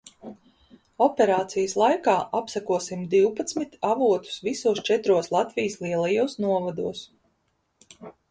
Operācijas laikā apsekosim divpadsmit avotus visos četros Latvijas lielajos novados.